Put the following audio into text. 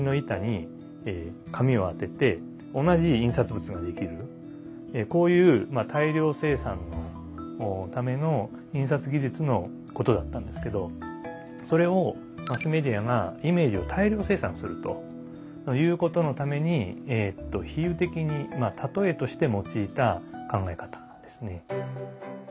今から大体こういう大量生産のための印刷技術のことだったんですけどそれをマスメディアがイメージを大量生産するということのために比喩的に例えとして用いた考え方なんですね。